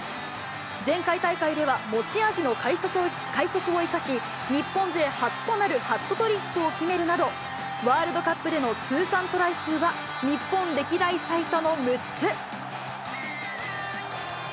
前回大会では、持ち味の快足を生かし、日本勢初となるハットトリックを決めるなど、ワールドカップでの通算トライ数は、日本歴代最多の６つ。